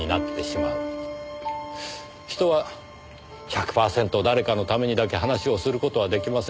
人は１００パーセント誰かのためにだけ話をする事は出来ません。